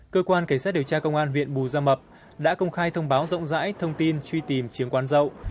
cơ quan kể xét điều tra công an huyện bùi gia mập đã công khai thông báo rộng rãi thông tin truy tìm chiếng quan dậu